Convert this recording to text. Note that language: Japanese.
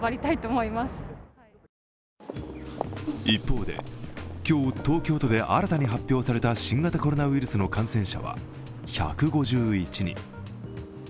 一方で、今日東京都で新たに発表された新型コロナウイルスの感染者は１５１人。